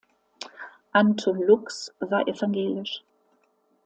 Anton Lux war evangelisch.